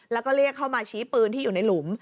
แล้วก็เรียกเข้ามาชี้ปืนที่อยู่ในหลุม